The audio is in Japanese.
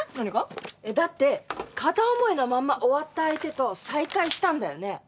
何が？えっ？だって片思いのまんま終わった相手と再会したんだよね？